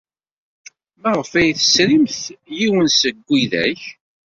Maɣef ay tesrimt yiwen seg widak?